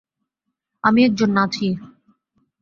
আমি একজন নাচিয়ে।